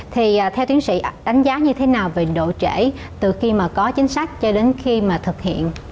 thì theo tiến sĩ đánh giá như thế nào về độ trễ từ khi mà có chính sách cho đến khi mà thực hiện